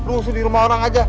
lu sedih sama orang aja